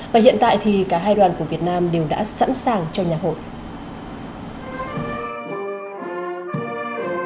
và hiện tại thì cả hai đoàn của việt nam đều đã sẵn sàng cho nhà hội